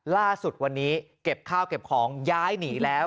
ล่าสุดวันนี้เก็บข้าวเก็บของย้ายหนีแล้ว